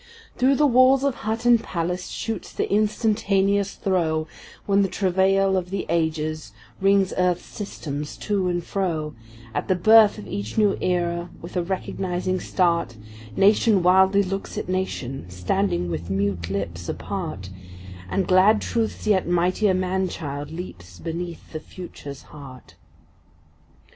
Through the walls of hut and palace shoots the instantaneous throe, When the travail of the Ages wrings earth’s systems to and fro; At the birth of each new Era, with a recognizing start, Nation wildly looks at nation, standing with mute lips apart, And glad Truth’s yet mightier man child leaps beneath the Future’s heart.